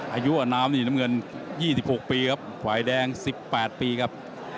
อายุอนามนี่น้ำเงิน๒๖ปีครับฝ่ายแดง๑๘ปีครับ